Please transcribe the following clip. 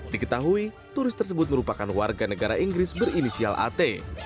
diketahui turis tersebut merupakan warga negara inggris berinisial at